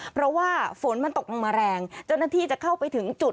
เพราะว่าฝนมันตกลงมาแรงเจ้าหน้าที่จะเข้าไปถึงจุด